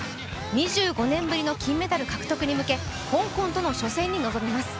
２５年ぶりの金メダル獲得に向け香港との初戦に臨みます。